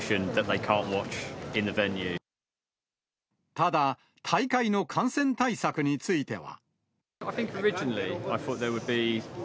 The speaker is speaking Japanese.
ただ、大会の感染対策については。